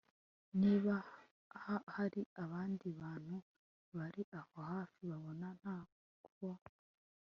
niba hari abandi bantu bari aho hafi babona ntabo